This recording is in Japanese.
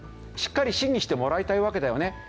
しっかり審議してもらいたいわけだよね。